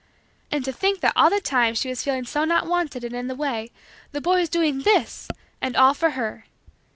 And to think that all the time she was feeling so not wanted and in the way the boy was doing this and all for her!